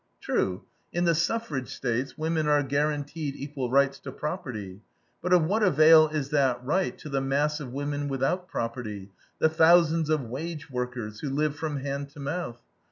True, in the suffrage States women are guaranteed equal rights to property; but of what avail is that right to the mass of women without property, the thousands of wage workers, who live from hand to mouth?